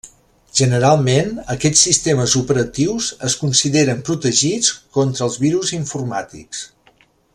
Generalment, aquests sistemes operatius es consideren protegits contra els virus informàtics.